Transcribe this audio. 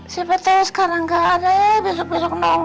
siapa tahu sekarang nggak ada ya besok besok nolol